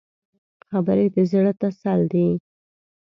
خبرې د زړه تسل دي